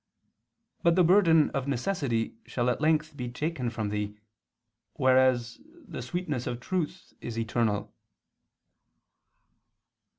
But the burden of necessity shall at length be taken from thee: whereas the sweetness of truth is eternal."